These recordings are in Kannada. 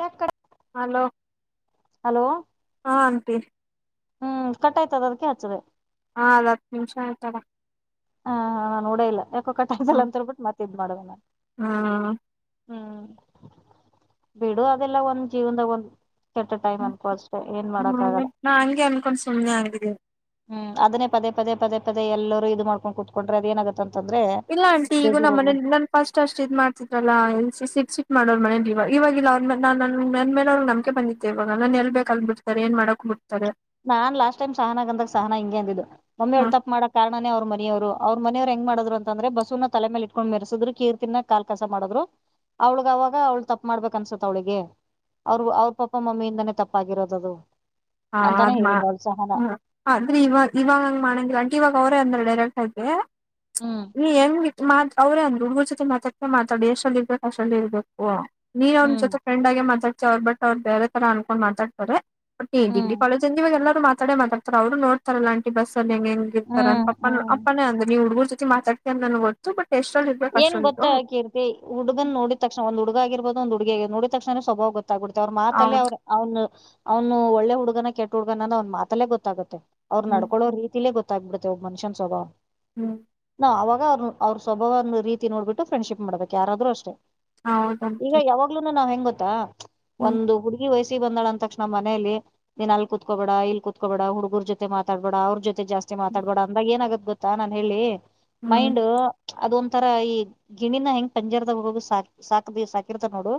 ಯಾಕ. ಹಲೋ ಹಾ ಆಂಟಿ. ಹ್ಮ್ ಕಟ್ಟಾಯ್ತದ ಅದಕ್ಕೆ ಅಚ್ಚದೆ. ಹಾ ಅದ ಹತ್ತ ನಿಮಿಷ ಆಯ್ತಾ ಅಕ್ಕ. ಹಾ ಹಾ ನೋಡೇ ಇಲ್ಲ ಯಾಕೋ ಕಟ್ಟ ಆಯ್ತ ಅಂತ ಹೇಳಿ ಅಂತೇಳ್ಬಟ್ಟ ಮತ್ತ ಇದ್ ಮಾಡದೇ ನಾನ. ಹಾ ಹ. ಹ್ಮ್ ಬಿಡು ಅದೆಲ್ಲ ಒಂದ ಜೀವನದಾಗ ಒಂದ. ಕೆಟ್ಟ ಟೈಮ್ ಅನ್ಕೋ ಆಷ್ಟೆ ಏನ್ ಮಾಡಕ ಹ್ಮ್ ಆಗಲ್ಲ. ನಾ ಹಂಗೆ ಅನ್ಕೊಂಡ್ ಸುಮ್ನೆ ಆಗಿದ್ದೀನಿ ಹ್ಮ್ ಅದನ್ನೇ ಪದೇ ಪದೇ ಪದೇ ಪದೇ ಎಲ್ಲರರು ಇದು ಮಾಡ್ಕೊಂಡು ಕುೂತ್ಕೊಂಡ್ರೆ ಅದೇಏನಾಗುತ್ತೆ. ಅಂತಂದ್ರೆ ಇಲ್ಲ ಆಂಟಿ ಈಗೂ ಬೇಜಾರಾಗ್ಬಿಡ ನಮ್ಮನೆಲ್ಲಿ ಫಸ್ಟ್ ಅಷ್ಟ ಇದ್ ಮಾಡ್ತಿದ್ರಲ್ಲಾ ಎ ಸಿಟ್ ಸಿಟ್ ಮಾಡೋರ್ ಮನೇಲಿ ಇವ ಇವಾಗಿಲ್ಲ ಅವ್ರ ನನ್ ನನ್ ಮೇಲೆ ಅವ್ರಗ್ ನಂಬಕೆ ಬಂದಿದ್ದೆ. ಇವಾಗ ನನ್ ಎಲ್ ಬೇಕು ಅಲ್ ಬಿಡ್ತಾರೆ ಏನ್ ಮಾಡೋಕು ಬಿಡ್ತಾರೆ. ನಾನ್ ಲಾಸ್ ಟೈಮ್ ಸಹನ ಗೆ ಅಂದಾಗ ಸಹನ ಹಿಂಗೆ ಅಂದಿದ್ದು ಮಮ್ಮಿ ಹ ಅವ್ಳ ತಪ್ ಮಾಡಕ್ ಕಾರಣನೇ ಅವ್ರ ಮನೆಯವ್ರು ಅವ್ರ ಮನೆಯವ್ರು ಹೆಂಗ ಮಾಡುದ್ರು ಅಂದ್ರೆ ಬಸವನ ತಲೆ ಮೇಲೆ ಇಟ್ಕೊಂಡ್ ಮೆರೆಸಿದ್ರು ಕೀರ್ತಿನ ಕಾಲ್ ಕಸ ಮಾಡಿದ್ರು. ಅವ್ಳಗ್ ಅವಾಗ ಅವ್ಳು ತಪ್ಪ ಮಾಡ್ಬೇಕ ಅನ್ಸತ್ ಅವ್ಳಿಗೆ ಅವ್ರರು ಅವ್ರ ಪಪ್ಪ ಮಮ್ಮಿಯಿಂದನೇ ತಪ್ಪಾಗಿರೋದು ಅದು. ಹಾ ಆದ್ಮ ಹಾ ಆದ್ರೆ ಇವಾಗ ಇವಾಗ ಹಂಗ ಮಾಡಂಗಿಲ್ಲ ಅಂಟಿ ಇವಾಗ ಅವರೇ ಅಂದವ್ರೆ ಡೈರೆಕ್ಟ್ ಆಗಿ ಹ್ಮ್ ನೀ ಹೆಂಗ ಮಾತ್ ಅವ್ರೇ ಅಂದ್ರ ಹುಡುಗರ ಜೊತೆ ಮಾತಡ್ತೀಯೋ ಮಾತಾಡು ಎಷ್ಟರ್ಲ್ಲಿ ಇರ್ಬೇಕು ಅಷ್ಟರ್ಲ್ಲಿ ಇರ್ಬೇಕು. ನೀನ್ ಅವ್ರ ಹ್ಮ್ ಜೊತೆ ಫ್ರೆಡ್ ಆಗಿ ಮಾತಾಡ್ತಿಯಾ ಅವ್ರ ಬಟ್ ಅವ್ ಬೇರೆ ತರ ಅನ್ಕೊಂಡ್ ಮಾತಾಡ್ತಾರೆ. ಹ್ಮ್ [unintelligible] ಕಾಲೇಜ ಅಂದ ಮೇಲೆ ಎಲ್ಲರು ಮಾತಾಡೆ ಮಾತಾಡ್ತಾರೆ ಅವರು ನೋ ರ ಲಾಟಿ ಬಸ್ಸಲ್ಲಿ ಹೆಂಗ ಹೆಂಗ ಇರ್ತರಾ ಹ್ಮ್ ಪಪ್ಪ ಹ್ಮ್ ಅಪ್ಪನೆ ಅಂದ್ರು ನೀ ಹುಡಗುರ್ ಜೊತೆ ಮಾತಾಡ್ತ ಅದ್ರೆ ನ [unintelligible] [unintelligible] ಏನ್ ಗೊತ್ತಾ ಕೀರ್ತಿ ಹಡುಗನ್ ನೋಡಿದ ತಕ್ಷಣ ಒಂದ ಹುಡುಗ ಆಗಿರ್ಬೋದು ಒಂದು ಹಡುಗಿ ಆಗಿರ್ಬೋದು ನೋಡಿದ ತಕ್ಷಣನೆ ಸ್ವಭಾವ ಗೊತ್ತ ಗೊತ್ತಾಗಿಬುಡುತ್ತೆ ಅವ್ರ ಮಾತಲ್ಲೆ ಹೌದು ಅವರ ಅವನು ಅವನು ಒಳ್ಳೆ ಹುಡ್ಗನ ಕೆಟ್ಟ ಹುಡ್ಗನ ಅಂನಾದ್ ಅವನ್ ಮಾತಲ್ಲೇ ಗೊತ್ತಾಗುತ್ತೆ. ಅವ್ರು ಹ್ಮ್ ನಡ್ಕೊಳ್ಳೋ ರೀತಿಲೇ ಗೊತ್ತಾಗ್ಬಿಡುತ್ತೆ ಒಬ್ಬ ಮನುಷನ್ ಸ್ವಭಾವ. ಹ್ಮ್ ನಾ ಅವಾಗ ಅವ್ರ ಅವ್ರ ಸ್ವಬಾವ ರೀತಿ ನೋಡ್ಬಿಟ್ಟು ಫ್ರೆಂಡ್ಶಿಪ್ ಮಾಡ್ಬೇಕು ಯಾರಾದ್ರೂ ಅಷ್ಟೇ. ಈಗ ಹೌದಂಟಿ ಯಾವಾಗ್ಲೂನು ನಾವ್ ಹೆಂಗ್ ಗೊತ್ತಾ ಹ್ಮ್ ಒಂದು ಹು ಈ ವಯಸಿಗೆ ಬಂದಾಳ ಅ ತಕ್ಷಣ ಮನೆಯಲ್ಲಿ ನೀನ್ ಅಲ್ಲಿ ಕುತ್ಕೋಬೇಡ ಇಲ್ಲಿ ಕುತ್ಕೋಬೇಡ ಹುಡ್ಗರು ಜೊತೆ ಮಾತಾಡ್ಬೇಡ ಅವ್ರ ಜೊತೆ ಜಾಸ್ತಿ ಮಾತಾಡಬೇಡ ಅಂದಾಗ ಏನಾಗುತ್ತೆ ಗೊತ್ತಾ ನಾನ್ ಹೇಳಿ ಹ್ಮ್ ಮೈಂಡ್ ಅದೊಂದು ತರ ಈ ಗಿಣಿನ ಹೆಂಗ್ ಪಂಜಾರದಾಗ [unintelligible] ಸಾಕ ಸಾಕ ಸಾಕಿರ್ತರಾ ನೋಡು..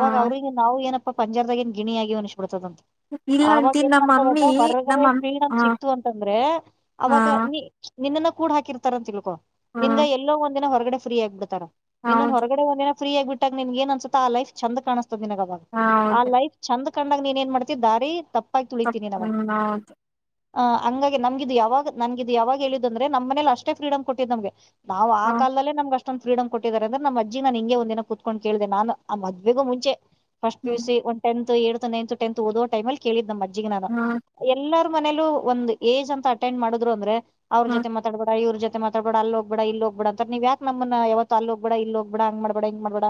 ಹಾ ಅವ್ರಿಗೆ ನಾವು ಏನಪ್ಪಾ ಪಂಜಾರದಾಗಿನ ಏನ್ ಗಿಣಿಯಾಗಿ ಅನಿಸ್ಬಿಡ್ತದ ಅಂತ. ಇಲ್ಲ ಅವಾಗ ಆಂಟಿ ಏನ್ ನಮ್ಮ ಮಮ್ಮಿ ಮಾಡ್ತಾರದ ಹೊರಗಡೆ ನಮ್ಮ ಫ್ರೀಡಮ್ ಹಾ ಸಿಕ್ತು ಅಂತಂದ್ರೆ ಹಾ ಅವಾಗ ನೀ ನಿನ್ನನ್ನ ಕೂಡ್ ಹಾಕಿರ್ತಾರ ಅಂತ ತಿಳ್ಕೊ ನಿನ್ಗ ಹ್ಮ್ ಎಲ್ಲೋ ಒಂದಿನ ಹೊರಗಡೆ ಫ್ರೀ ಆಗ್ಬಿಡ್ತಾರ ನಿನ್ನನ್ನು ಹೌದು ಹೊರಗಡೆ ಒಂದ ದಿನ ಫ್ರೀ ಆಗಿ ಬಿಟ್ಟಾಗ ನಿನ್ಗ ಏನ್ ಅನ್ಸುತ್ತೆ ಆ ಲೈಫ್ ಚಂದ ಕಾಣಿಸ್ತದ ನಿನಗ್ ಅವಾಗ ಆ ಹೌದು ಲೈಫ್ ಚೆಂದ್ ಕಂಡಾಗ ನೀನ್ ಏನ್ ಮಾಡ್ತೀ ದಾರಿ ತಪ್ಪಾಗಿ ತಪ್ಪ್ ತುಳಿತೀಯಾ ನಿನ್ ಆಗ ಹ್ಮ್ ಹೌದು ಹ ಹಂಗಾಗಿ ನಮಗಿದ್ ಯಾವಾಗ ನಂಗಿದ್ ಯಾವಾಗ ಹೇಳಿದ್ ಅಂದ್ರೆ ನಮ್ಮ ಮನೇಲಿ ಅಷ್ಟೇ ಫ್ರೀಡಮ್ ಕೊಟ್ಟಿದ್ ನಮಗೆ ಬಾಳ ಕಲ್ಲ್ಲೇ ನಮ್ ಅಷ್ಟೊಂದು ಫ್ರೀಡಮ ಕೊಟ್ಟಿದ ಅಂದ್ರೆ ಅಜ್ಜಿ ನನ್ ಹಿಗೆ ಒಂದ ದಿನ ಕುತ್ಕೊಂಡು ಕೇಳಿದೆ ನಾನು ಆ ಮದ್ವೇಗೂ ಮುಂಚೆ ಫಸ್ಟ್ ಪಿ ಯು ಹ್ಮ್ ಸಿ ಒಂದು ಟೆಂತ್ ಏಡ್ ನೈನ್ ಟೆಂತ್ ಓದೋ ಟೈಮಲ್ಲಿ ಕೇಳಿದ ನಮ್ ಅಜ್ಜಿಗೆ ನಾನು ಇಲ್ಲ ಎಲ್ಲಾರ ಮನೇಲೂ ಒಂದು ಏಜ್ ಅಂತ ಅಟೆಂಡ್ ಮಾಡಿದ್ರು ಅಂದ್ರೆ ಅವ್ರ ಜೊತೆ ಮಾತಾಡಬೇಡ ಇವ್ರ ಜೊತೆ ಮಾತಡ್ಬೇಡ. ಡ ಅಲ್ಲಿ ಹೋಗಬೇಡ ಇಲ್ಲಿ ಹೋಗಬೇಡ ಅಂತಾರೆ ನೀವ ಯಾಕ್ ನಮ್ಮನ ಯಾವತ್ತು ಅಲ್ಹೋಗ್ಬೇಡ ಇಲ್ಲಿ ಹೋಗ್ಬೇಡ ಹಂಗ ಮಾಡಬೇಡ ಇಂಗ ಮಾಡ್ಬೇಡ.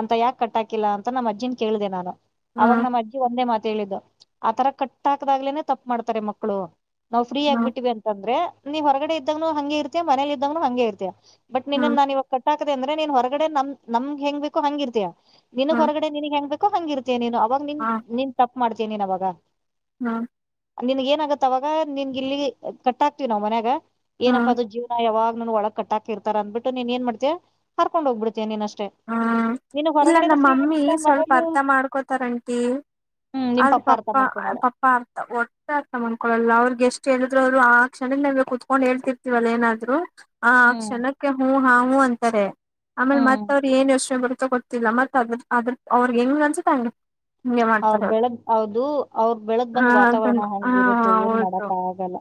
ಅಂತ ಯಾಕ ಕಟ್ಟಾಕಿಲ್ಲಾ ಅಂತ ನಮ್ಮ್ ಅಜ್ಜಿನ್ ಕೇಳಿದೆ ನಾನು. ಅವಾಗ ನಮ್ಮ್ ಅಜ್ಜಿ ಒಂದೇ ಮಾತ ಹೇಳಿದ್ದು ಆತರ ಕಟ್ ಹಾಕದಾಗ್ಲೇನೆ ತಪ್ಪು ಮಾಡ್ತಾರೆ ಮಕ್ಕಳು. ನಾವು ಫ್ರೀ ಆಗಿ ಬಿಟ್ಟವಿ ಅಂದ್ರೆ ನೀನು ಹೊರಗಡೆ ಇದ್ದಾಗನು ಹಂಗೆ ಇರ್ತಿಯಾ ಮನೇಲಿ ಇದ್ದಾಗನು ಹಂಗೆ ಇರ್ತಿಯಾ.. ಬಟ್ ನಿನ್ನ್ ನಾನ್ ಇವಾಗ ಕಟ್ಟಾಕದೆ ಅಂದ್ರೆ ನೀನ್ ಹೊರಗಡೆ ನಮ್ ನಮ್ಗೆ ಹೆಂಗ್ ಬೇಕು ಹಂಗಿ ಇರ್ತಿಯಾ. ನಿನಗ್ ಹೊರಗಡೆ ನಿನಗ್ ಹೆಂಗ್ ಬೇಕೋ ಹಂಗ ಇರ್ತೇಯಾ ನೀನು ಅವಾಗ ನಿನ್ ನಿನ್ ತಪ್ಪ ಮಾಡ್ತೇಯಾ ನೀನ್ ಅವವಾಗ ಹಾಂ ನಿನ್ಗ ಏನ ಆಗತ್ತ ಅವಾಗ ನಿನ್ ಇಲ್ಲಿ ಕಟ್ ಆಕ್ತಿವಿ ನಾವ್ ಮನ್ಯಾಗ. ಏನಪ್ಪಾ ಅದ ಜೀವನಾ ಯಾವಾಗ್ಲುನು ಒಳಗ್ ಕಟ್ಟಾಕ್ ಕೀರ್ತರ್ ಅನ್ಬಿಟ್ಟು ನೀನ್ ಏನ್ ಮಾಡ್ತೀಯ ಕಕರ್ಕೊಂಡು ಹೋಗ್ಬಿಡ್ತಯ ನೀನ್ ಅಷ್ಟೇ. ಹ್ಮ ನೀನು ಇಲ್ಲ ಹೊರಗಡೆನು ಫ್ರೀ ನಮ್ಮಮ್ಮಿ ಆಗ್ಬಿಟ್ಟ ಸ್ವಲ್ಪ ಮನೇಲಿ ಅರ್ಥ ಮಾಡ್ಕೋತಾರ ಆಂಟಿ. ಹ್ಮ್ ನಿಮ್ ಆದ್ರ ಅರ್ಥ ಪಪ್ಪ ಮಾಡ್ಕೊಳಲ್ಲ ಪ ಅರ್ತ ಒಟ್ಟಾ ಅರ್ತ ಮಾಣಕೊಳಲ್ಲ ಅವ್ರಿಗೆ ಎಷ್ಟ ಹೇಳಿದ್ರು ಅವರು ಆ ಕ್ಷಣ ನಮಗೆ ಕುತ್ಕೊಂಡು ಹೇಳ್ತಿ ತಿವಲ್ಲ ಏನಾದ್ರು ಆ ಹ್ಮ್ ಕ್ಷಣಕ್ಕೆ ಹು ಹಾ ಹು ಅಂತಾರೆ. ಆಮೇಲೆ ಮ ಹ್ಮ್ ಯೋಚೆ ಗೊತ್ತಿಲ್ಲ ಮತ್ತ ಅದ್ರ ಅದ್ರ ಅವ್ರಿಗೆ ಹೆಂಗ್ ಅನ್ಸತಂಗೆ ಅವ್ರ ಬೆಳಗ್ ಹೌದು ಅವ್ರ ಬೆಳದ ಆ ಬಂದ್ ಅದನ್ನ ವಾತಾವರಣ ಹಂಗರುತ್ತೆ ಏನ್ ಮಾಡಕ ಆಗಲ್ಲ.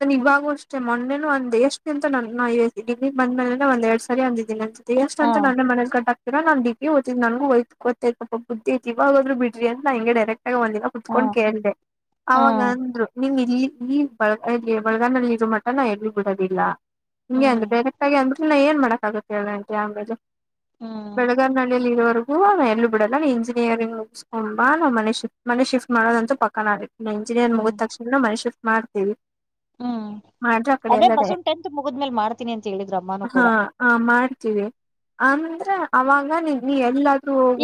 ನಾನ್ ಇವಾಗೂ ಅಷ್ಟೇ ಮೊನ್ನೆನು ಅಂದೇ ಎಷ್ಟು ಅಂತ ನಾ ನಾ ಡಿಗ್ರಿ ಬಂದ ಮೇಲೆನೆ ಒಂದ ಎರಡ್ ಸ ಸರಿ ಅಂದಿದ್ದೀನಿ ಅನ್ಸ್ತ್ತೆ ಎಷ್ಟ ಹಾ ಅಂತ ನಾನೆ ಮನೇಲ್ ಕಟ್ಟ ಇನ್ನ ನಾನ್ ಡಿಗ್ರಿ ಓತಿನಿ ನನಗೂ [unintelligible] ಬುದ್ದಿ ಐತಿ ಇವಾಗಾದರು ಬಿಡ್ರಿ ಅಂತ ನಾ ಇಂಗೆ ಡೈರೆಕ್ಟ್ ಆಗಿ ಒಂದಿನಾ, ಹಾ ಕುತ್ಕೊಂಡ್ ಕೇಳ್ದ ಹಾ ಅವಾಗ ಅಂದ್ರು. ನಿಮ್ ಇಲ್ಲಿ ಈ ಬೆಳಗಾಂ ಅಲ್ಲಿ ಇರೋ ಮಠ ನಾ ಎಲ್ಲೂ ಬಿಡೋದಿಲ್ಲ. ಹಿಂಗೆ ಹ್ಮ್ ಅಂದ್ರು ಡೈರೆಕ್ಟ್ ಆಗೇ ಅಂದ್ರು ನಾ ಏನ್ ಮಾಡಕ್ಕ ಆಗುತ್ತೆ ಹೇಳ್ ಆಂಟಿ. ಆಮೇಲೆ, ಹ್ಮ್ ಬೆಳಗಾವ ನಳ್ಳಿಯಲ್ಲಿ ಇರೋವ್ರು. ಇವಾಗ್ ನಾ ಎಲ್ಲೂ ಬಿಡಲ್ಲ ನೀ ಇಂಜಿನಿಯರಿಂಗ್ ಮುಗಸ್ಕೊ ಬಾ ನಾ ಮನೆ ಶ್ ಮನೆ ಶಿಫ್ಟ್ ಮಾಡೋದಂತೂ ಪಕ್ಕನಾ. [unintelligible] ನಾ ಇಂಜಿನಿಯರ್ ಹ್ಮ್ ಮುಗದ ತಕ್ಷಣನ ಮನೆ ಶಿಫ್ಟ್ ಮಾಡ್ತೀವಿ. ಹ್ಮ್ ಮಾಡ್ರೆ ಆ ಕಡೆ ಅದೇ ಎಲ್ಲ ಬಸುನ್ ಟೆಂತ್ ಮುಗದಮೆಲ್ ಮಾಡ್ತೀನಿ ಅಂತ ಹೇಳಿದ್ರು ಅಮ್ಮಾನೂ ಕೂಡ. ಹಾ ಮಾಡ್ತವಿ. ಅಂದ್ರೆ ಅವಾಗ ನೀ ಎಲ್ಲ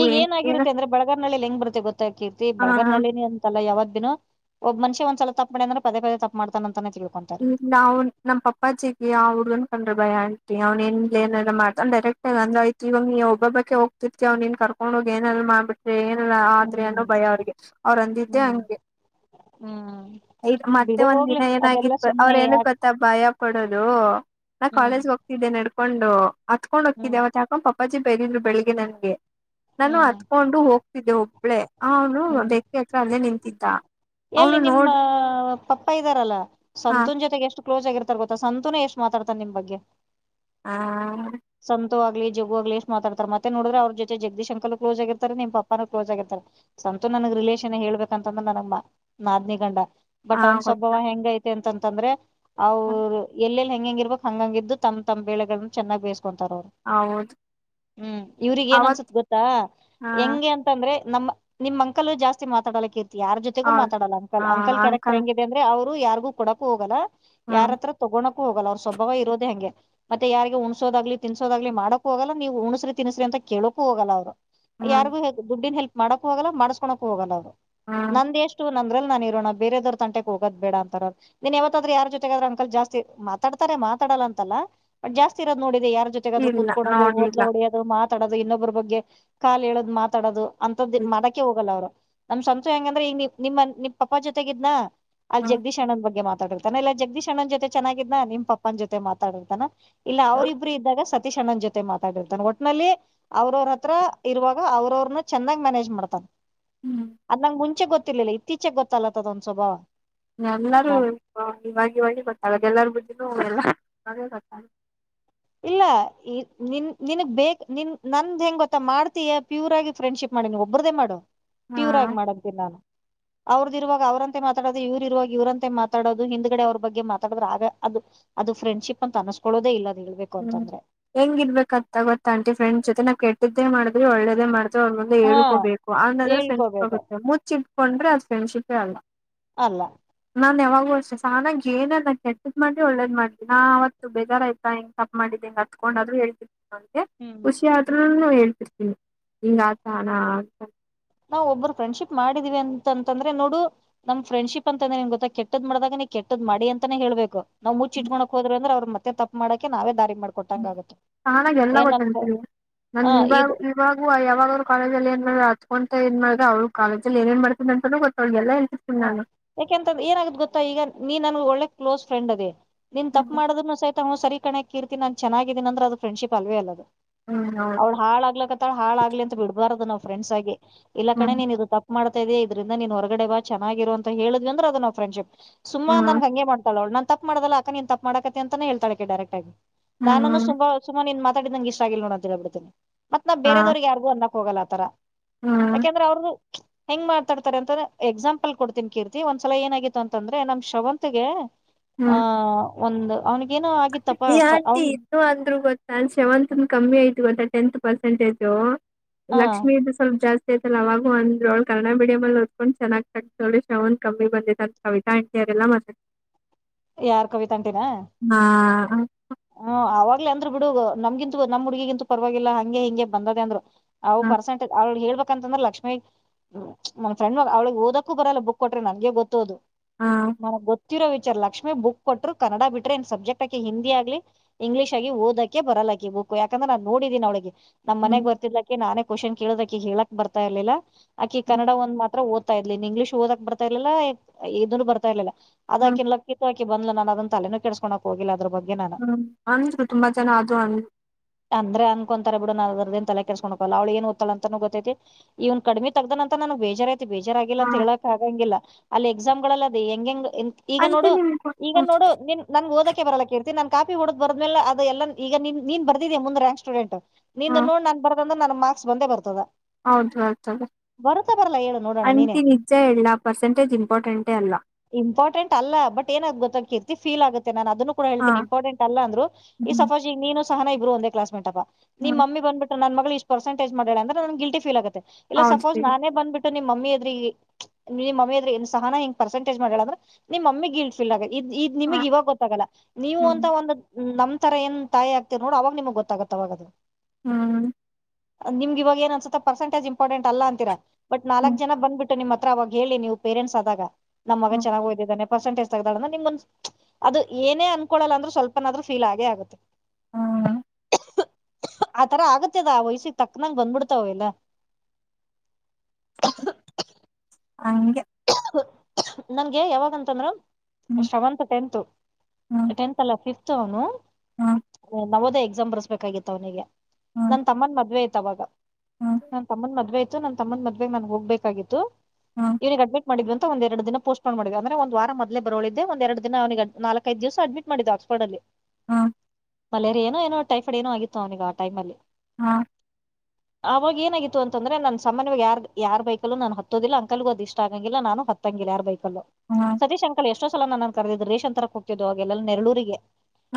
ಈಗ ಏನಾಗಿರುತ್ತೆ ಅಂದ್ರೆ ಬಳಗಾಂನಳ್ಳಿಲ್ಲಿ ಹೆಂಗ ಬರುತ್ತೆ ಗೊತ್ತಾ ಕಿರ್ತಿ ಆ ಬಳಗಾಂನಳ್ಳಿ ಅ ತಲ್ಲ ಯಾವಗ್ ದಿನು ಒಬ್ಬ ಮನ್ಷ ಒಂದ್ ಸಲ ತಪ್ಪ ಮಾಡ್ಯನ್ ಅಂದ್ರ ಪದೇ ಪದೇ ತಪ್ಪ ಮಾಡ್ತಾನ ಅಂತಾನೇ ತಿಳ್ಕೊ ಇಲ್ಲ ಅವ್ನ್ ನಮ್ಮ್ ಪಪ್ಪಾಜಿಗೆ ಆ ಹುಡುನ್ ಕಂಡ್ರೆ ಭಯ ಆಂಟಿ ಅವ್ನ್ ಏನ ಲೇ ಏನರ ಮಾಡ್ತ ಅವ್ನ್ ಡೈರೆಕ್ಟ್ ಹೇ ಹಂಗ ಆಯ್ತ್ ಇವಗ್ ನೀ ಒಬ್ಬಬ್ಬಕ್ಕೆ ಹೋಗ್ತಿರ್ತಿಯ ನೀನ್ ಕರ್ಕೊಂಡ ಹೋಗಿ ಏನಾರ ಮಾಡ್ಬಟ್ಟ ಏನೀಲ್ಲ ಆದ್ರೆನು ಹ್ಮ್ ಭಯ ಅವ್ರಿಗೆ ಅವ್ರು ಅಂದಿದ್ದೆ ಹ್ಮ್ ಹಂಗೆ, ಹ್ಮ್ ಇದ ಮತ್ತೆ ಬಿಡು ಒಂದ್ ಹೋಗ್ಲಿ ದಿನ ಏನಾಗಿ ಅದೆಲ್ಲ ಅವ್ರ ಸುಮ್ನೆ ಏನಕ್ಕ ಯಾಕ್ ಗೊತ್ತಾ ಭಯ ಪಡೋದು ನಾ ಹ್ಮ್ ಕಾಲೇಜಗೆ ಹೋಗ್ತಿದ್ದೆ ನಡ್ಕೊಂಡು. ಅತ್ಕೊಂಡ್ ಹೋಕ್ಕಿದ್ದೆ ಹ್ಮ್ ಅವತ್ ಯಾಕೊ ಪಪ್ಪಾಜಿ ಬೇದಿದ್ರು ಬೆಳಗ್ಗೆ ನನ್ಗೆ. ನಾನು ಹ್ಮ್ ಹತ್ಕೊಂಡು ಹೋಗ್ತಿದ್ದೆ ಒಬ್ಳೆ ಅವನು ಹ್ಮ್ ಬೆೇಕ್ರಿ ಹತ್ರ ಅಲ್ಲೇ ನಿಂತಿದ್ದ. ಅವನು ಎಲ್ಲಿ ನಿಮ್ಮ ನೋಡ್ ಪಪ್ಪ ಇದ್ದಾರಲ್ಲ ಹಾ ಸಂತೋನ್ ಜೊತೆಗೆ ಎಷ್ಟ ಕ್ಲೋಸ್ ಆಗಿ ಇರ್ತಾರ ಗೊತ್ತ ಸಂತುನೇ ಎಷ್ಟ ಮಾತಡ್ತಾನ ನೀಮ್ ಬಗ್ಗೆ. ಹಾ, ಸಂತು ಆಗ್ಲಿ ಜಗು ಆಗ್ಲಿ ಎಷ್ಟ ಮಾತಡ್ತರ ಮತ್ತೆ ನೋಡುದ್ರೆ ಅವ್ರ ಜೊತೆ ಜಗದೀಶ ಅಂಕಲು ಕ್ಲೋಸ್ ಆಗಿ ಇರ್ತರೆ ನಿಮ್ಮ ಪಪ್ಪಾನೂ ಕ್ಲೋಸ್ ಆಗಿ ಇರ್ತರೆ. ಸಂತ ನನ್ಗ್ ರಿಲೇಷನ್ ಹೇಳ್ಬೇಕ್ ಅಂತಂದ್ರ ನನ್ಗ ಮಾ ನಾದೀನಿ ಗಂಡ ಹಾ ಬಟ್ ಅವನ್ ಸ್ವಭಾವ ಗೊತ್ತಾ ಹೆಂಗ ಐತೆ ಅಂತಂತಂದ್ರೆ, ಹ್ಮ್ ಅವ್ರು ಎಲ್ಲೆಲ್ಲಿ ಹೆಂಗಂಗ ಇರ್ಬೇಕ್ ಹಂಗಂಗ ಇದ್ದು ತಮ್ಮ್ ತಮ್ಮ್ ಬೆೇಳೆಗಳನ್ನ ಚೆನ್ನಗಿ ಬೇಸ್ಕೊಂತಾರ ಅವ್ರು. ಹೌದು ಹ್ಮ್ ಇವರ್ಗಿ ಏನ್ ಅವತ್ ಅನ್ಸತ್ ಗೊತ್ತಾ ಹಾ ಹೆಂಗೆ ಅಂ ಅಂತ ಅಂದ್ರೆ ನಮ್ಮ ನಿಮ್ಮ ಅಂಕಲ್ ಜಾಸ್ತಿ ಮಾತಾಡಲ್ಲ ಕೀರ್ತಿ ಯಾರ ಜೊತೆಗೂ ಹೌದು ಮಾತಾಡಲ್ಲ. ಅಂಕಲ್ ಹಾ ಅಂಕಲ್ ಕ್ಯಾರೆಕ್ಟರ್ ಹೆಂಗೆ ಅಂದ್ರೆ ಅವ್ರು ಯಾರಗೂ ಕೊಡಕೂ ಹೋಗಲ್ಲ ಹ್ಮ್ ಯಾರತ್ರ ತೊಗೋಣಕ್ಕು ಹೋಗಲ್ಲ ಅವ್ರ್ ಸ್ವಭಾವ ಇರೋದೇ ಹಂಗೆ. ಮತ್ತೆ ಯಾರಿಗೂ ಉಣ್ಸೋದಾಗ್ಲಿ ತಿನ್ಸೋದಾಗ್ಲಿ ಮಾಡೋಕೂ ಹೋಗಲ್ಲ ನೀವು ಉಣಸ್ರಿ ತಿನ್ಸ್ರಿ ಅಂತ ಕೇಳೋಕೂ ಹೋಗಲ್ಲ ಅವರು. ಹ್ಮ್ ಯಾರಗೂ ದುಡ್ಡಿನ್ ಹೆಲ್ಪ್ ಮಾಡಕ್ಕೂ ಹೋಗಲ್ಲ ಮಾಡ್ಸ್ಕೊಣಕು ಹೋಗಲ್ಲ ಅವ್ರು. ಹ್ಮ್ ನಂದ ಎಷ್ಟು ಸ್ಟು ನಂದ್ರಲ್ಲಿ ನಾನ್ ಇರೋಣ ಬೇರೆದ್ವರದ್ದ ತಟೆಕ್ಕೆ ಹೋಗೋದ ಬೇಡ ಅಂತಾರ ಅವ್ರು. ನೀನ್ ಯಾವತ್ತಾದ್ರರು ಯಾರ್ ಜೊತೆಗಾದ್ರು ಅಂಕಲ್ ಜಾಸ್ತಿ ಮಾತಾಡ್ತಾರೆ ಮಾತಡಲ್ಲ ಅಂತಲ್ಲ. ಬಟ್ ಜಾಸ್ತಿ ಇರೋದು ನೋಡಿದೆ ಯಾರ ಜೊತೆ, ಜೊತೆಗಾದ್ರು ಇಲ್ಲ ಕೂತ್ಕೋಣದು, ಒತ್ಲ ನೋಡಿಲ್ಲ ಹೊಡಿಯೋದು, ಮಾತಾಡೋದು ಇನ್ನೊಬ್ಬ್ರ ಬಗ್ಗೆ ಕಾಲ ಹೇಳೋದ ಮಾತಾಡೋದು ಅಂತದ್ದು ಮಾಡಕೆ ಹೋಗಲ್ಲ ಅವ್ರು. ನಮ್ ಸಂತು ಹೆಂಗಂದ್ರೆ ಈ ನಿಮ್ಮ ನಿಮ್ಮ ಪಪ್ಪಾ ಜೊತೆಗೆ ಇದ್ನ ಅಲ್ಲಿ ಹ್ಮ್ ಜಗದೀಶ್ ಅಣಂನ್ ಬಗ್ಗೆ ಮಾತಾಡ ತಾನೆ ಎಲ್ಲಾ ಜಗದೀಶಣ್ಣನ ಜೊತೆ ಚೆನ್ನಾಗಿದನ ನಿಮ್ಮ್ ಪಪ್ಪನ ಜೊತೆ ಮಾತಾಡ್ ಇರ್ತಾನ. ಇಲ್ಲ ಅವರಿಬ್ರು ಇದ್ದಾಗ ಸತೀಶ್ ಅಣ್ಣನ್ ಜೊತೆ ಮಾತ್ ಡಿರ್ತಾನೆ ಒಟ್ನಲ್ಲಿ ಅವ್ರವ್ರ ಹತ್ತಿರ ಇರುವಾಗ ಅವರು ಅವರನ್ನ ಚೆಂದಾಗ್ ಮ್ಯಾನೇಜ್ ಮಾಡ್ತಾನ. ಹ್ಮ್ ಅದ ನಂಗ್ ಮುಂಚೆ ಗೊತ್ತಿರ್ಲಿಲ್ಲ ಇತ್ತೀಚೆಗೆ ಗೊತ್ತಲತ್ತದೊಂದ್ ಸ್ವಭಾವ ಎಲ್ಲರೂ ನಾನ್ ಇವವಾಗಿ ಇವಾಗೆ ಗೊತ್ತಾಗ್ ಎಲ್ಲಾರೂ ಬುದ್ದಿನೂ ಎಲ್ಲಾ ಗೊತ್ತಾಗ್ ಇಲ್ಲ ನಿನ್ ನಿನಗ್ ಬೇಕ್ ನಿನ್ ನಂದ್ ಹೆಂಗ್ ಗೊತ್ತಾ ಮಾಡ್ತೀಯಾ ಪ್ಯೂರ್ ಆಗಿ ಫ್ರೆಂಡ್ಶಿಪ್ ಮಾಡು ನೀ ಒಬ್ಬರದ್ದೆ ಮಾಡು ಪ್ಯೂರ್ ಹ್ಮ್ ಆಗಿ ಮಾಡು ಅಂತಿನ್ ನಾನು ಅವ್ರದ್ದೂ ಇವಾಗ ಅವ್ರಂತೆ ಮಾತಾಡೋದು ಇವರು ಇರುವಾಗ ಇವ್ರಂತೆ ಮಾತಾಡೋದು ಹಿಂದ್ಗಡೆ ಅವ್ರ ಬಗ್ಗೆ ಮಾತಾಡಿದ್ರ ಆಗ ಅದು. ಅದು ಫ್ರೆಂಡ್ಶಿಪ್ ಅಂತ ಅನಸ್ಕೊಳ್ಳೋದೆ ಇಲ್ಲ ಅದ ಹೇಳಬೇಕ್ ಹ್ಮ್ ಹೆಂಗಿರ್ಬೇಕು ಅಂತ ಗೊತ್ತ ಆಂಟಿ ಫ್ರೆಂಡ್ಸ್ ಜೊತೆ ನಾ ಕೆಟ್ಟದ್ದೇ ಮಾಡಿದ್ರಿ ಒಳ್ಳೇದೂ ಮಾಡ್ರಿ ತ್ತು ಮುಂದೆ ಹಾ ಹೇಳ್ಕೋಬೇಕು ಅನ್ನಂದ್ರೆ ಫ್ರೆಂಡ್ಶಿಪ್ ಹೇಳ್ಕೋಬೇಕು ಆಗುತ್ತೆ ಮುಚ್ಚಿ ಇಟ್ಕೊಂಡ್ರೆ ಅದ್ ಫ್ರೆಂಡ್ಶಿಪೇ ಅಲ್ಲ. ಅಲ್ಲ ನಾನ್ ಯಾವಾಗೂ ಅಷ್ಟೇ ಸಹನಗೆ ಏನೇ ಕೆಟ್ಟದ್ ಮಾಡ್ಲಿ ಒಳ್ಳೇದು ಮಾಡ್ಲಿ ನಾ ಆ ಅವತ್ತು ಬೇಜಾರು ಆಯ್ತಾ. ತಪ್ಪ್ ಮಾಡಿದ್ದಿ ಹತ್ಕೊಂಡ್ ಆದ್ರೂರು ಹೇಳಬಿಡತ್ತೀನಿ ಅವನಿಗೆ ಹ್ಮ್. ಖುಷಿ ಅ ಹ ಹೇಳ್ತಿರ್ತೀನಿ ಹಿಂಗ ಆತಾನ ಆ ನಾವು ಒಬ್ಬರು ಫ್ರೆಂಡ್ಶಿಪ್ ಮಾಡಿದೀವಿ ಅಂತಂತಂದ್ರೆ ನೋಡು ನಮ್ ಫ್ರೆಂಡ್ಶಪ್ ಅಂತಾನೆ ನಿಮ್ ಗೊತ್ತ ಕೆಟ್ಟದ್ ಮಾಡ್ದಾಗ ನೀ ಕೆಟ್ಟದ್ ಮಾಡಿ ಅಂತಾನೇಳ್ಬೇಕು. ನಾವು ಮುಚ್ಚ ಇಟ್ಕ ಹೋದ್ರ್ ಅವರು ಮತ್ತೆಪ್ಪ ಮಾಡಕ ನಾವೇ ದಾರಿ ಮಾಡಬೇಕ್ ಚಾನಾಗ ಎಲ್ಲ ಗೊತ್ತಂತಂತೀವಿ ಹ ನನ್ ಇವಾಗ ಇದು ಇವಾಗ ಯಾವಾಗ್ ಕಾಲೇಜಲ್ಲಿ ಏನ್ ಮಾಡ್ರೆ ಹ ಅತ್ಕೊಂತ ಏ ಮಾಡ್ರೆ ಅವರು ಕಾಲೇಜ ಏ ಏನ್ ಮಾಡ್ತ ಅಂತಾನ ಗೊತ್ತಳಗೆಲ್ಲ ಎೇ ನ [unintelligible] ಯಾಕೆಂತಂದ್ರೆ ಏನಾಗುತ್ತೆ ಗೊತ್ತಾ ಈಗ ನೀನ್ ನನ್ಗ್ ಒಳ್ಳೆ ಕ್ಲೋಸ್ ಫ್ರೆಂಡ್ ಅದೆ ನೀನ್ ತಪ್ಪು ಮಾಡುದ್ರೂ ಸಹಿ ತ ಸರಿ ಕಣೆ ಕೀರ್ತಿ ನಾನು ಚೆನ್ನಾಗಿದ್ದೀನಿ ಅಂದ್ರೆ ಅದು ಫ್ರೆಂಡ್ಶಿಪ್ ಅಲ್ವೆ ಅದು ಹ್ಮ್ ಅವಳು ಹೌದು ಹಾಳ ಆಗ್ಲ್ ತ್ತ ಹಾಳ ಆಗ್ಲಿ ಅಂತ ಬಿಡಬಾರದು ನಾವು ಫ್ರೆಂಡ್ಸ್ ಆಗಿ ಇಲ್ಲ ಕಣೆ ಹ್ಮ್ ನೀನ್ ಇದು ತಪ್ಪು ಮಾಡ್ತಾ ಇದೀಯ ಇದ್ರಿಂದ ನೀನ್ ಹೊರಗಡೆ ಬಾ ಚೆನ್ನಾಗಿರು ಅಂತ ಹೇಳಿದ್ವಿ ಅಂದ್ರೆ ಅದು ನ ಫ್ರೆಂಡ್ಶಿಪ್ ಸುಮ್ಮ ಹ್ಮ್ ನನಗೆ ಮಾಡ್ತಾಳ್ ಅವಳ್ ನನ್ ತಪ್ ಪು ಮಾಡದಲ್ಲ ಅಕ್ಕ ನೀನ್ ತಪ್ಪು ಮಾಡಕ್ಕೆ ಅತೀಯಾ ಅಂತ ಹೇಳತ್ತಾಳೆ ಡೈರೆಕ್ಟ್ ಆಗಿ ನಾನು ಹ್ಮ್ ಸುಮಾ ಸುಮ ನೀನ್ ಮಾತಾಡಿದ್ ನನಗೆ ಇಷ್ಟ ಆಗಿಲ್ಲ ನೋಡು ಅಂತ ಹೇಳಬಿಡ್ತೀನೆ ಮತ್ ನಾ ಹಾ ಬೇರದವ್ರಿಗೆ ಯಾರ್ ಅನ್ನಕ್ ಹೋಗಲ್ಲ ಆ ತರ ಹ್ಮ್ ಯಾಕೆಂದ್ರೆ ಅವ್ರದು ಹೆಂಗ್ ಮಾಡ್ತಾರೆ ಅಂತಂದ್ರೆ ಎಕ್ಸಾಂಪಲ್ ಲ್ ಕೊಡ್ತೀನ್ ಕೀರ್ತಿ ಒಂದ್ಸಲ ಏನಾಗಿತ್ತು ಅಂತಂದ್ರೆ ನಮ್ ಶ್ರಾವಂತಗೆ ಆಹ ಒಂದು ಅವನಿಗ್ ಹೆ ಆಂಟಿ ಅಂದ್ರೂ ಗೊತ್ತಾ ಶಾವಂತ್ ದ್ದು ಕಮ್ಮಿ ಆಯೈತ್ ಗೊತ್ತಾ ಟೆಂತ್ ಪರ್ಸೆಂಟೇಜು. ಹ ಲಕ್ಷ್ಮಿದು ಸ್ವಲ್ಪ ಜಾಸ್ತ್ ತ್ತಲ್ಲ ಅವಾಗ ಅಂದ್ರೂ ಅವಳ ಕನ್ನಡ ಮೀಡಿಯಂ ಅಲ್ಲಿ ಓದಕೊಂಡು ಚೆನ್ನಾಗಿ ತಗದೊವಳೆ ಶಾವಂತ್ ಕಮ್ಮಿ ಬಂದೈತ್ ಅಲ್ಲ ಕವಿತಾ ಅಂಟಿ ಅವರೆಲ್ಲ ಮತ್ ಯಾರು ಕವಿತ ಅಂಟಿನ. ಹಾ ಹ್ಮ್ ಅವಾಗ್ಲೆ ಅಂದ್ರರು ಬಿಡು ನಮ್ಗಿಂತ ನಮ್ಮ ಹುಡ್ಗಿಗಿಂತ ಪರವಾಗಿಲ್ಲ ಹಂಗೆ ಹಿಂಗೆ ಬಂದದೆ ಅಂದ್ರು ಅವು ಪರ್ಸೆಂಟೇಜ್ ಅವಳ್ ಹೇಳ್ಬೇಕಂತಂದ್ರೆ ಲಕ್ಷ್ಮೀಗ್ ಹ್ಮ್ ನನ್ ಫ್ರೆಂಡ್ ಅವ್ಳಿಗೆ ಓದಕ್ಕೂ ಬರಲ್ಲ ಬುಕ್ ಕೊಟ್ರು ನನಗೆ ಗೊತ್ತು ಅದು ಹಾ ನನಗ್ ಗೊತ್ತ್ ತ್ತಿರೋ ವಿಚಾರ ಲಕ್ಷ್ಮೀ ಬುಕ್ ಕೊಟ್ಟರು ಕನ್ನಡ ಬಿಟ್ರೆ ಅನ್ ಸಬ್ಜೆಕ್ಟ್ ಆಕೆ ಹಿಂದಿ ಆಗ್ಲಿ ಇಂಗ್ಲೀಷ್ ಆಗಿ ಓದಕೆ ಬರಲಾಕಿ ಬುಕ್ ಯಾಕಂದ್ರೆ ನಾನ್ ನೋಡಿದೀನಿ ಅವಳಿಗೆ ನಮ್ ಹ್ಮ್ ಮನೆಗ್ ಬರ್ತಿದ್ಲ ಕೆ ನಾನೇ ಕ್ವಾಶ್ನ್ ಕೇಳೋದಾಕಿಗೆ ಹೇಳಕ್ ಬರತ್ತ ಇರ್ಲಿಲ್ಲ ಆಕೆ ಹ್ಮ್ ಕನ್ನಡ ಒಂದ್ ಮಾತ್ರ ಓದ್ ತ್ತ್ ಬರ್ತಾಲಿಲ್ಲ ಇನ್ ಇಂಗ್ಲೀಷ್ ಓದಕ್ ಬರ್ತಾರ್ಲಿಲ್ಲ ಇದುನೂ ಬರತ್ತಾ ಇರ್ಲಿಲ್ಲ ಅದ್ ಹ್ಮ್ ಆಕಿನ್ ಲಾಕ್ ಕಿತ್ ಆಕಿ ಬಂದಲೂ ನಾನು ಅದನ್ನ ತಲೆನೂ ಕೆಡಕೊಲ್ಲಕ್ಕ ಹೋಗಿಲ್ಲ ಅದ್ರ ಬಗ್ಗೆ ನಾನು. ಅನ್ರು ತುಂಬಾ ಜನ ಆದ್ರು ಆಗ್ಲಿ. ಅಂದ್ರ ಅನ್ಕೊಂತರೇ ಬಿಡು ಅದಿಂದ ತಲೆ ಕರ್ಕೊಂಡಕಲ್ಲ ಅವಳಿಗೆ ಏನು ಗೊತೈತೆ. ಇವನ್ ಕಡಿಮೆ ತರ್ತಾನೆ ಅಂತ ನನಗೆ ಬೇಜಾರೇ ಇಲ್ಲ. ಬೇಜಾರಾಗಿಲ್ಲ ಹಾ ಅಂತ ಹೇಳಕ್ ಆಗಂಗಿಲ್ಲ ಅಲ್ಲಿ ಎಕ್ಸಾಮ್ಗಳಲ್ಲಿ ಅದು ಹೆಂಗೆಂಗೆ. ಈಗ ಆಂಟಿ ನೋಡು ನಿಮ್ಗೆ ಈಗ ಹ್ಮ್ ನೋಡು ನಿನ್. ನನ್ ಓದಕ ಬರಲ್ಲಕ್ಕೇರ್ತಿ ನನ್ ಕಾಪಿ ಹೊಡದ ಬದ್ಮೇಲೆ ಅದೆ ಎಲ್ಲ ಈಗ ನಿನ್ ನೀನ್ ಬರೆದಿದ್ದೀಯ ರಾಂಕ್ ಸೂಡೆಂಟ್. ನಿಂದ ಹಾ ನೋಡ್ ನನ್ ಬರದಂದ್ರೆ ನನ್ ಮಾರ್ಕ್ಸ್ ಬಂದೇ ಬರ್ತದ. ಹೌದು ಬರುತ್ತಾ ಬರಲ್ಲ ಹೇಳು ನೋಡೋಣ ನೀನೇ ಅಂಟಿ ನಿಜ ಹೇಳ ಪರ್ಸೆಂಟೇಜ್ ಇಂಪಾರ್ಟೆಂಟೇ ಅಲ್ಲ. ಇಂಪಾರ್ಟೆಂಟ್ ಅಲ್ಲ ಬಟ್ ಏನಾದ ಗೊತ್ತ್ ಕೀರ್ತಿ ಫೀಲ್ ಆಗುತ್ತೆ ನಾನ ಅದ ಕೂಡ ಹಾ ಹೇಳ್ತೀನಿ. ಇಂಪಾರ್ಟೆಂಟ್ ಅಲ್ಲ ಅಂದ್ರು ಹ್ಮ್ ಸಫೋಜ್ ನೀನು ಸಹನ ಇಬ್ರು ಒಂದ ಕ್ಲಸ್ಮೇಟ್ ಅಪ್ಪ ನಿಮ್ಮ ಹ್ಮ್ ಮಮ್ಮಿ ಬಂದ್ಬಿಟ್ಟು. ನನ್ ಮಗಳು ಇಷ್ಟ ಪರ್ಸೆಟೇಜ ಮಾಡ ಅಂದ್ರೆ ನನ್ಗೆ ಗಲ್ಟಿಫೀಲ್ ಆಗುತ್ತೆ ಇಲ್ಲ ಹೌದು ಸಪ್ಪೋಸ್ ಬಿಡಿ ನಾನೇ ಬಂದುಬಿಟ್ಟು. ನಿಮ್ಮ ಮುಮ್ಮಿ ಎದ್ರಿಗೆ ನಿಮ್ಮ ಮುಮ್ಮಿ ಎದ್ರಿಗೆ ಸಹನ ಹಿಂಗ್ ಪರ್ಸೆಟೇಜ್ ಮಾಡ ಹೇಳ ಅಂದ್ರ. ನಿಮ್ ಮಮ್ಮಿಗೆ ಗಿಲ್ಟ್ ಫೀಲ್ ಆಗದು ಇದ್ ಇದ್ ಹಾ ನಿಮಗ್ ಇವಾಗ ಗೊತ್ತಾಗಲ್ಲ ನೀವು ಹ್ಮ್ ಒಂದು. ಒಂದು ನಮ್ ತರ ಏನ್ ತಾಯಿ ಆಗ್ತಿರ್ ನೋಡು ಅವಾಗ ನಿಮ್ಗ್ ಗೊತ್ತಾಗತ್ತ ಅವಾಗ ಅದು. ಹ್ಮ. ನಿಮ್ ಇವಾಗ ಏನ್ ಅನ್ಸುತ್ತೆ ಪರ್ಸೆಂಟಜ್ ಇಂಪಾರ್ಟೆಂಟ್ ಅಲ್ಲ ಅಂತೀರಾ ಬಟ್ ಹ್ಮ್ ನಾಲ್ಕಕ್ ಜನ ಬಂದ್ಬಿಟ್ಟು. ನಿಮ್ಮ ಹತ್ರ ಅವಾಗ ಹೇಳಿ ನೀವು ಪೇರೆಂಟ್ಸ್ ಆದಾಗ ನಮ್ಮ ಮಗ ಹ್ಮ್ ಚನ್ನಾಗ್ಓದಿದ್ದಾನೆ. ಪರ್ಸೆಂಟಜ್ ತೆಗ್ದಾಳ ಅಂದ್ರ ನಿಮ್ಮಗೊಂದು ಅದು ಏನೇ ಅನ್ಕೊಳ್ಳಲ್ಲ ಅಂದ್ರ ಸ್ವಲ್ಪನಾದ್ರು ಫೀಲ್ ಆಗೇ ಆಗುತ್ತೆ. ಹ್ಮ್ ಆತರ ಆಗತ್ತದ ಆ ವಯ್ಸಿಗೆ ತಕ್ನಾಗ್ ಬಂದ್ಬಿಡ್ತಾವ ಎಲ್ಲ. ಹಂಗೆ. ನನ್ಗೆ ಯಾವಾಗ ಅಂತದ್ರ. ಹ್ಮ್ ಶವಂತ್ ಟೆಂತ್ ಹ್ಮ್ ಟೆಂತ್ ಅಲ್ಲ ಫಿಫ್ತ್ ಅವನು. ಹ್ಮ್ ನವೋದಯ ಎಕ್ಸಾಮ್ ಬರ್ಸ್ಬೇಕಾಗಿತ್ತು ಅವನಿಗೆ ಹ್ಮ್ ನನ್ ತಮ್ಮನ್ ಮದ್ವೆ ಇತ್ತು ಅವಾಗ. ಹ್ಮ್ ನನ್ ತಮ್ಮಂದ ಮದ್ವೆ ಇತ್ತು ನನ್ ತಮ್ಮಂದ ಮದ್ವೆಗ್ ನನ್ಗ್ ಹೋಗ್ಬೇಕಾಗಿತ್ತು ಹ್ಮ್ ಹ್ಮ್ ಇವನಿಗೆ. ಅಡ್ಮಿಟ್ ಮಾಡಿದ್ವಿ ಅಂತ ಒಂದ ಎರಡು ದಿನ ಪೋಸ್ಟಪೋನ್ ಮಾಡಿದೆ ಅಂದ್ರೆ ಒಂದ ವಾರ ಮೊದಲೇ ಬರೊಳಿದ್ದ ಒಂದ ಎರಡು ದಿನ ಅವನಿಗೆ ನಾಕೈದು ದಿವಸ ಅಡ್ಮಿಟ್ ಮಾಡಿದ್ದೆ ಹಾಸ್ಪಿಟಲ್. [unintelligible] ಹಾ ಮಲರಿಯ ಏನೋ ಟೈಪೈಡ್ ಏನೋ ಆಗಿತ್ತು ಅವನಿಗೆ ಆ ಟೈಮ್ ಅಲ್ಲಿ. ಹಾ ಆವಾಗ ಏನಾಗಿತ್ತು ಅಂದ್ರೆ ನನ್ ಸಾಮಾನ್ಯವಾಗ್ ಯಾರ್ ಯಾರ್ ಬೈಕಲ್ಲ ನನ್ ಹತ್ತದಿಲ್ಲ ಅಂಕಲ್ಗ ಅದು ಇಷ್ಟ ಆಗಲ್ಲ. ಆಗಲ್ಲ ನಾನು ಹತ್ತಂಗಿಲ್ಲ ಯಾರ ಬೈಕಲ್ಲು ಹಾ ಸತೀಶ್ ಅಂಕಲ್ ಎಷ್ಟೋ ಸಲ ನನ್ನ. ಕರೆದ್ ರೇಷನ್ ತರೋಕೆ ಹೋಗ್ತಿದ್ವು ಅವಾಗೆಲ್ಲ ನೇರಳೂರಿಗೆ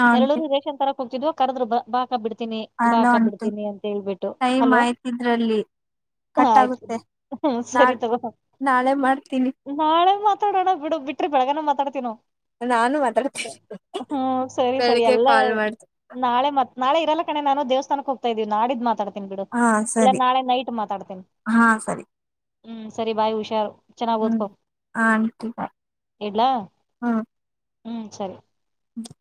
ಆಂಟಿ ನೆರಳೂರಿಗೆ ರೇಶನ್ ತರಕ್ ಹೋಗ್ತಿದ್ದು. ಕರೆದ್ರು ಬಾ ಅಕ್ಕಾ ಬಿಡ್ತೀನಿ ಬಾ ಹಲೋ ಅಕ್ಕಾ ಆಂಟಿ ಬಿಡ್ತೀನಿ ಅಂತ ಹೇಳ್ಬಿಟ್ಟು ಟೈಮ್ ಹಲೋ. ಆಯ್ತಿದ್ರಲ್ಲಿ ಹಾ ಕಟ್ ಆಯ್ತು ಆಗುತ್ತೆ ಸರಿ ನಾಳ್ ತಗೋ. ನಾಳೆ ಮಾಡ್ತೀನಿ. ನಾಳೆ ಮಾತಾಡೋಣ ಬಿಡು ಬಿಟ್ರೆ ಬೆಳಗ್ಗನ ಮಾತಾಡ್ತ ನಾವು. ನಾನು ಮಾತಾಡ್ತೀನಿ ಹ್ಮ್ ಸರಿ ಸರಿ ಬೆಳಿಗ್ಗೆ ಎಲ್ಲ. ಕಾಲ್ ಮಾಡ್ತೀನಿ ನಾಳೆ ಮತ್ ನಾಳೆ ಇರಲ್ಲ ಕಣೇ ನಾನು ದೇವಸ್ಥಾನಕ್ಕೇ ಹೋಗ್ತಾ ಇದೀವಿ ನಾಳಿದ್ ಮಾತಾಡ್ತಾ. ಬಿಡ ಹಾ ಇಲ್ಲಾ ಸರಿ ನಾಳೆ ನೈಟ್ ಮಾತಾಡ್ತೇನಿ ಹಾ ಸರಿ ಹ್ಮ್ ಸರಿ ಬಾಯ್ ಹುಷಾರು. ಚೆನ್ನಾಗ್ ಹ್ಮ್ ಓದ್ಕೋ ಆಂಟಿ ಬಾಯ್ ಇಡ್ಲಾ ಹ್ಮ್ ಸರಿ. ಹ್ಮ